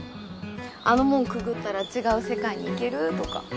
あの門くぐったら違う世界に行けるとか。